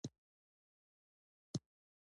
ژبې د افغانستان یو لوی طبعي ثروت دی.